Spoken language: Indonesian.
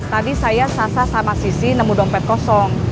tadi saya sasa sama sisi nemu dompet kosong